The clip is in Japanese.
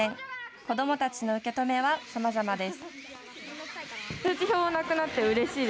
子どもたちの受け止めはさまざまです。